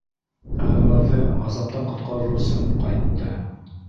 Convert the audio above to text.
Әнүәрҙе ғазаптан ҡотҡарыр өсөн ҡайтты.